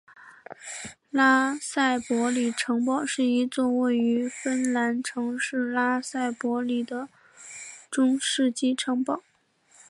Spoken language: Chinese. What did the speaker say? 拉塞博里城堡是一座位于芬兰城市拉塞博里的中世纪城堡。